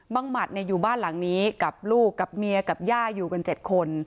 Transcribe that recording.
หมัดอยู่บ้านหลังนี้กับลูกกับเมียกับย่าอยู่กัน๗คน